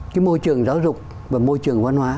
cái môi trường giáo dục và môi trường văn hóa